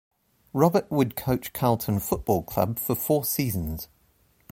Robert would coach Carlton Football Club for four seasons.